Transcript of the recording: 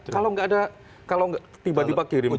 kalau nggak ada kalau tiba tiba kirim